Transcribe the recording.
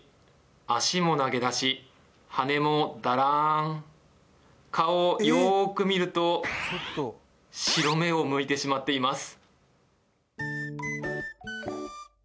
足も投げ出し羽もダラン顔をよく見ると白目をむいてしまっています